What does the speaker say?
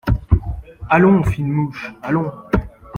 Allons, fine mouche… allons !…